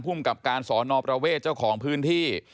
ภูมิกับการสอนอประเวทเจ้าของพื้นที่